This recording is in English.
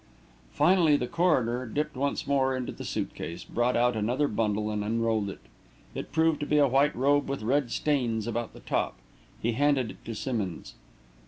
Finally, the coroner dipped once more into the suit case, brought out another bundle and unrolled it. It proved to be a white robe with red stains about the top. He handed it to Simmonds.